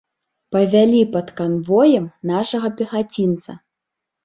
Павялі пад канвоем нашага пехацінца.